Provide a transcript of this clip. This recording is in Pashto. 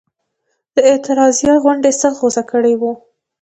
د اعتراضیه غونډې سخت غوسه کړي وو.